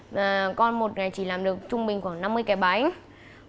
và con một ngày chỉ làm được trung bình khoảng năm mươi cái bánh